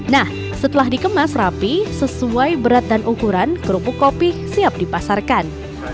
nah setelah dikemas rapi sesuai berat dan ukuran kerupuk kopi siap dipasarkan